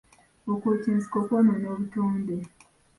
Okwokya ensiko kwonona obutonde.